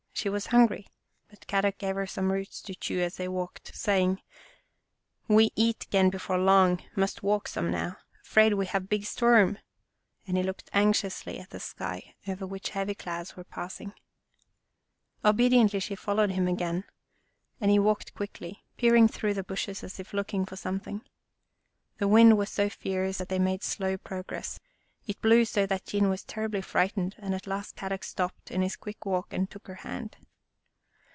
She was hungry, but Kadok gave her some roots to chew as they walked, saying, " We eat 'gain before long, must walk some now. 'Fraid we have big storm," and he looked anxiously at the sky, over which heavy clouds were passing. Obediently she followed him again, and he 94 Our Little Australian Cousin walked quickly, peering through the bushes as if looking for something. The wind was so fierce that they made slow progress. It blew so that Jean was terribly frightened and at last Kadok stopped in his quick walk and took her hand.